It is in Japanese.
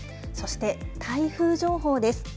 そして台風情報です。